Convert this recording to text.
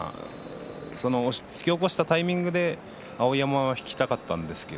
突き起こしたタイミングで碧山に引きたかったんでしょうね。